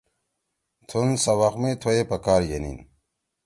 تُھون سوق می تھوئے پکار یے نیِن